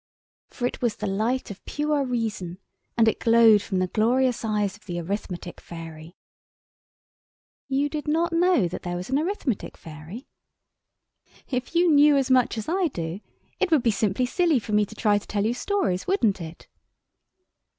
For it was the light of pure reason, and it glowed from the glorious eyes of the Arithmetic Fairy. You did not know that there was an Arithmetic Fairy? If you knew as much as I do, it would be simply silly for me to try to tell you stories, wouldn't it?